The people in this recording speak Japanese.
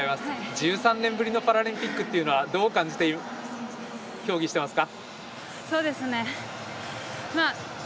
１３年ぶりのパラリンピックというのはどう感じて競技していますか。